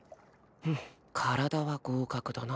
うん体は合格だな。